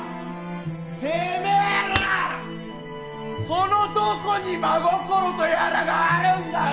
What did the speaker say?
てめえはそのどこに真心とやらがあるんだよ！